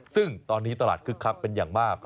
ซึ่งตอนนี้ตลาดคึกคักเป็นอย่างมาก